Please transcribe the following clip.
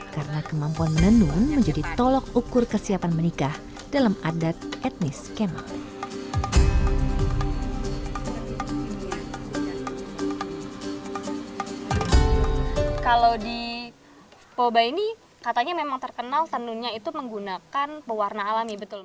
kalau di poba ini katanya memang terkenal tenunnya itu menggunakan pewarna alami betul